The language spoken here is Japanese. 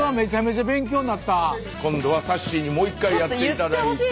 今度はさっしーにもう１回やって頂いて。